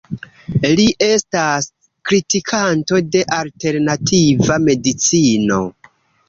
Li estas kritikanto de Alternativa medicino.